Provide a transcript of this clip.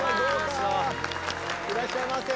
いらっしゃいませ。